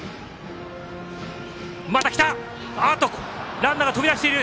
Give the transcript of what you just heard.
ランナーが飛び出している。